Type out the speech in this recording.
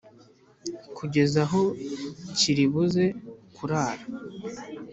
Kugeza aho kiribuze kurara